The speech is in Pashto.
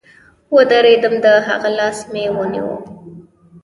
ودرېدم د هغه لاس مې ونيو.